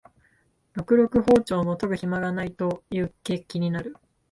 ろくろく庖丁も研ぐひまがないという景気になる